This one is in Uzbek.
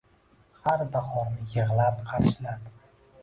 Har bahorni yig’lab qarshilab